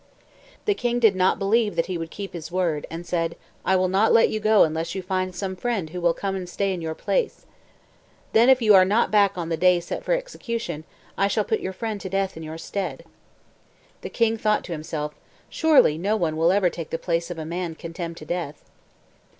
The king did not believe that he would keep his word, and said: "I will not let you go unless you find some friend who will come and stay in your place. Then, if you are not back on the day set for execution, I shall put your friend to death in your stead." The king thought to himself: "Surely no one will ever take the place of a man condemned to death."